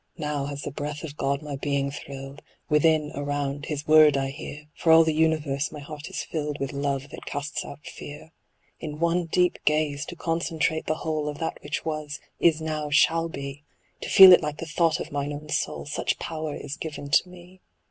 Now has the breath of God my being thrilled ; Within, around. His word I hear : For all the universe my heart is filled With love that casts out fear. In one deep gaze to concentrate the whole Of that which was, is now, shall be, To feel it like the thought of mine own soul, Such power is given to me.